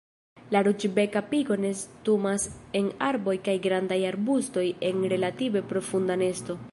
La Ruĝbeka pigo nestumas en arboj kaj grandaj arbustoj en relative profunda nesto.